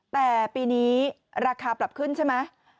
แต่ปีนี้ราคาปรับขึ้นใช่ไหม